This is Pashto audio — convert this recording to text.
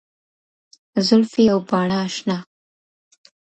زلفي او باڼه اشنـا